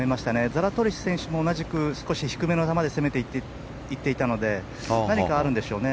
ザラトリス選手も低めの球で攻めていっていたので何かあるんでしょうね。